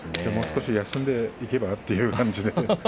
もう少し休んでいけばという感じで。